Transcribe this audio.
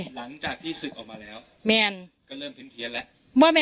หลังจากที่ศึกออกมาแล้วเริ่มเค้ียนเคียนแหละแมน